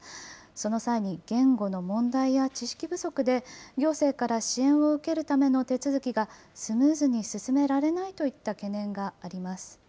その際に言語の問題や知識不足で、行政から支援を受けるための手続きがスムーズに進められないといった懸念があります。